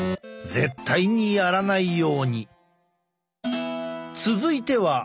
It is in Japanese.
絶対にやらないように。